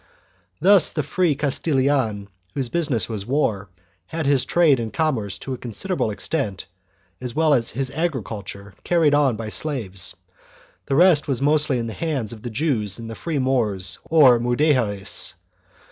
1 Thus the free Castilian, whose business was war, had his trade and commerce to a considerable extent, as well as his agriculture, carried on by slaves, and the rest was mostly in the hands of the Jews and the free Moors or Mudejares.